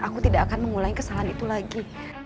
aku tidak akan mengulangi kesalahan itu lagi